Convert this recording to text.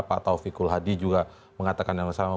pak taufik kulhadi juga mengatakan yang sama